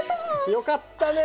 よかったね。